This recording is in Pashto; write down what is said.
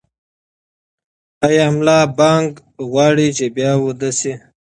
ایا ملا بانګ غواړي چې بیا ویده شي؟